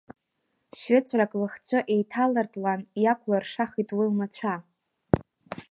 Шьыҵәрак лыхцәы еиҭалыртлан, иакәлыршахит уи лнацәа.